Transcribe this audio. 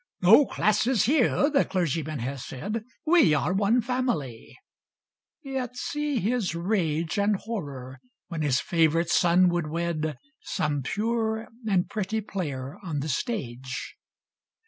"No classes here," the clergyman has said; "We are one family." Yet see his rage And horror when his favorite son would wed Some pure and pretty player on the stage.